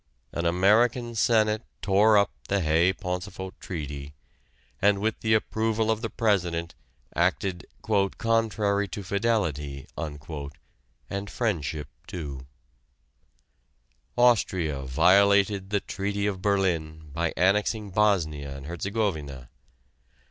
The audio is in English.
An American Senate tore up the Hay Pauncefote treaty, and with the approval of the President acted "contrary to fidelity" and friendship too; Austria violated the Treaty of Berlin by annexing Bosnia and Herzegovina.